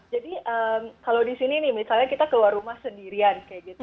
jadi kalau di sini nih misalnya kita keluar rumah sendirian